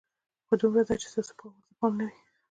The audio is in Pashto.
خو دومره ده چې ستاسو ورته پام نه وي.